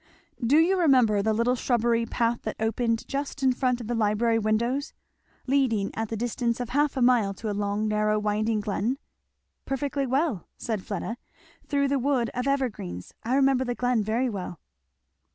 "Do you remember the little shrubbery path that opened just in front of the library windows? leading at the distance of half a mile to a long narrow winding glen?" "Perfectly well!" said Fleda, "through the wood of evergreens I remember the glen very well."